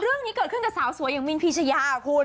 เรื่องนี้เกิดขึ้นกับสาวสวยอย่างมินพีชยาคุณ